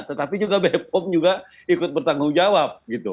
tetapi juga bpom ikut bertanggung jawab